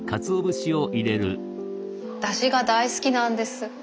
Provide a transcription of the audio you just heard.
だしが大好きなんです。